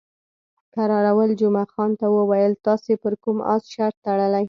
کراول جمعه خان ته وویل، تاسې پر کوم اس شرط تړلی؟